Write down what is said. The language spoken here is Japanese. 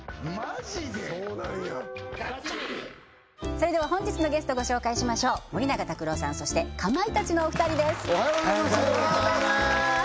それでは本日のゲストご紹介しましょう森永卓郎さんそしてかまいたちのお二人ですおはようございますお願いします